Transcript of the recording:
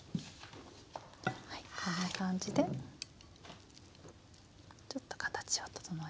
こんな感じでちょっと形を整えます。